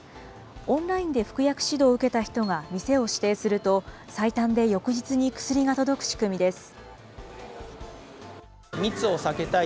オンラインで服薬指導を受けた人が店を指定すると、最短で翌日に薬が届く仕組みです。